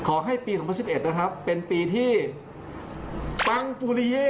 ขอให้ปี๒๐๑๑นะครับเป็นปีที่ปังปุริเย่